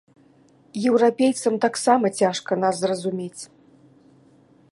Еўрапейцам таксама цяжка нас зразумець.